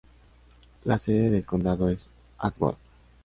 La sede del condado es Atwood.